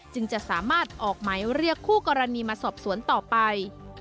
จึงจะสามารถออกหมายเรียกคู่กรณีมาสอบสวนต่อไป